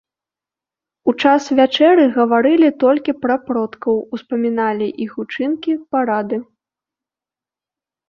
У час вячэры гаварылі толькі пра продкаў, успаміналі іх учынкі, парады.